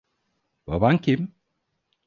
Baban kim?